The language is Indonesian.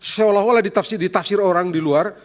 seolah olah ditafsir orang di luar